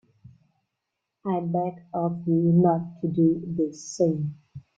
I beg of you not to do this thing.